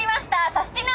『サスティな！』